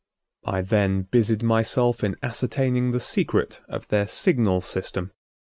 I then busied myself in ascertaining the secret of their signal system.